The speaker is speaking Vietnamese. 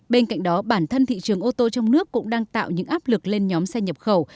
bên cạnh đó bản thân thị trường ô tô trong nước cũng đang tạo những áp lực lên nhóm xe nhập khẩu